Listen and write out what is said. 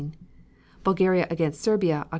Bulgaria against Serbia, Oct.